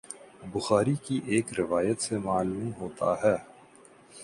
بخاری کی ایک روایت سے معلوم ہوتا ہے